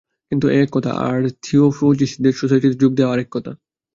কিন্তু এ এক কথা, আর থিওজফিস্টদের সোসাইটিতে যোগ দেওয়া আর এক কথা।